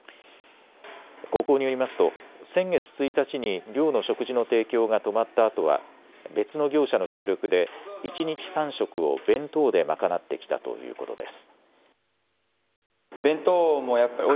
高校によりますと先月１日に寮の食事の提供が止まったあとは別の業者の協力で一日３食を弁当で賄ってきたということです。